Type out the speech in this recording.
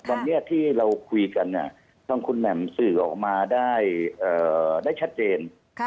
วันนี้ที่เราคุยกันทางคุณแหม่มสื่อออกมาได้ชัดเจน